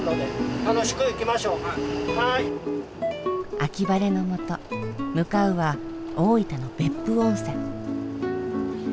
秋晴れのもと向かうは大分の別府温泉。